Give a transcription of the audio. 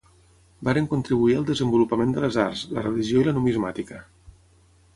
Varen contribuir al desenvolupament de les arts, la religió i la numismàtica.